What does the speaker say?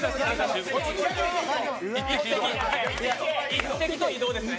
１滴と移動ですね。